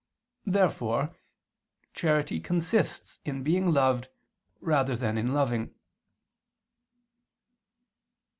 Therefore charity consists in being loved rather than in loving.